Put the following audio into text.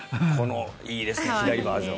いいですね、左バージョン。